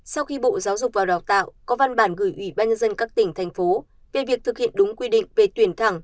sau khi bộ giáo dục và đào tạo có văn bản gửi ủy ban nhân dân các tỉnh thành phố về việc thực hiện đúng quy định về tuyển thẳng